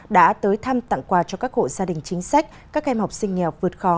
đã tới thăm tặng quà cho các hộ gia đình chính sách các em học sinh nghèo vượt khó